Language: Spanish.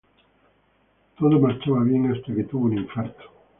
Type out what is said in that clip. Todo marchaba bien hasta que tuvo un infarto.